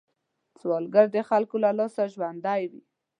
سوالګر د خلکو له لاسه ژوندی وي